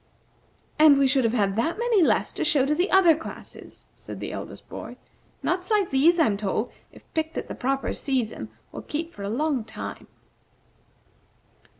"And we should have had that many less to show to the other classes," said the eldest boy. "Nuts like these, I am told, if picked at the proper season, will keep for a long time."